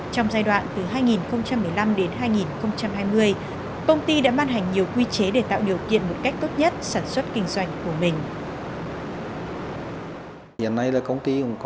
trong giai đoạn từ hai nghìn một mươi năm đến hai nghìn hai mươi công ty đã ban tạo một cơ chế đại ngộ hợp lý